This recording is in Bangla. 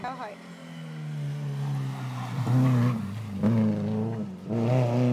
অভিজ্ঞতা নেই এমন প্রার্থীদের সাধারণত ম্যানেজমেন্ট ট্রেইনি হিসেবে নিয়োগ দেওয়া হয়।